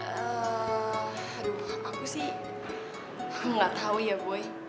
eh aduh aku sih gak tau ya boy